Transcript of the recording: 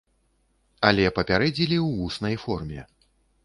Але папярэдзілі ў вуснай форме.